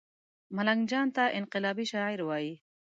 ملنګ جان ته انقلابي شاعر وايي